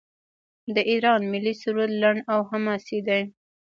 د ایران ملي سرود لنډ او حماسي دی.